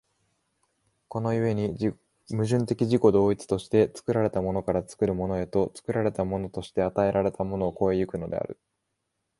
この故に矛盾的自己同一として、作られたものから作るものへと、作られたものとして与えられたものを越え行くのである。